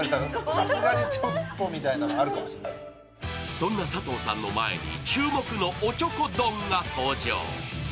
そんな佐藤さんの前に、注目のおちょこ丼が登場。